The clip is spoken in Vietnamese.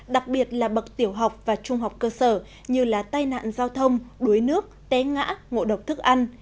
đặc biệt là bậc tiểu học và trung học cơ sở như là tai nạn giao thông đuối nước té ngã ngộ độc thức ăn